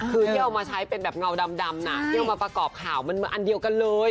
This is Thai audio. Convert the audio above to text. คือเที่ยวมาใช้เป็นแบบเงาดำนะเที่ยวมาประกอบข่าวเหมือนอันเดียวกันเลย